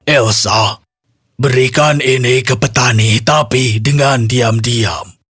elsa berikan ini ke petani tapi dengan diam diam